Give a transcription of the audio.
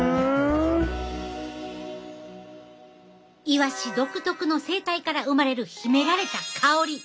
イワシ独特の生態から生まれる秘められた香り。